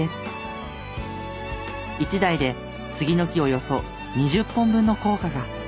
１台でスギの木およそ２０本分の効果が。